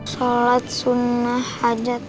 shalat sunnah hajat